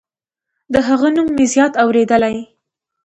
د هغه نوم مې زیات اوریدلی